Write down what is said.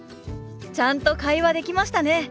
ちゃんと会話できましたね！